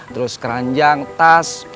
terus keranjang tas